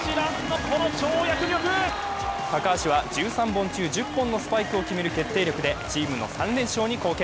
高橋は１３本中１０本のスパイクを決める決定力でチームの３連勝に貢献。